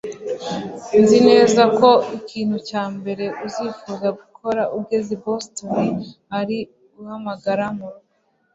Nzi neza ko ikintu cya mbere uzifuza gukora ugeze i Boston ari guhamagara murugo